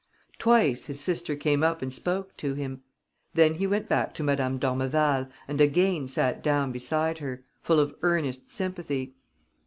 Twice his sister came up and spoke to him. Then he went back to Madame d'Ormeval and again sat down beside her, full of earnest sympathy.